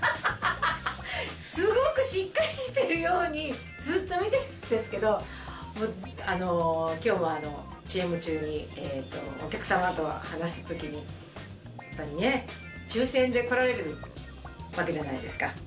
すごくしっかりしてるようにずっと見てたんですけど今日もＣＭ中にお客さまと話したときにやっぱりね抽選で来られるわけじゃないですか。